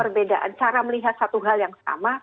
perbedaan cara melihat satu hal yang sama